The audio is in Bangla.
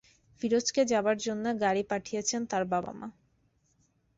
ফিরোজকে যাবার জন্যে গাড়ি পাঠিয়েছেন তার বাবা-মা।